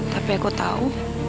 tapi aku tahu